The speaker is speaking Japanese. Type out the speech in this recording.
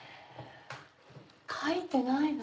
描いてないの？